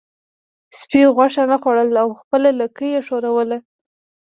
سپي غوښه نه خوړله او خپله لکۍ یې ښوروله.